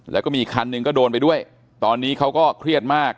แล้วก็มีอีกคันหนึ่งก็โดนไปด้วยตอนนี้เขาก็เครียดมาก